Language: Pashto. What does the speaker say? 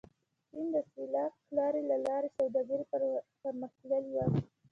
چین د سیلک لارې له لارې سوداګري پرمختللې وه.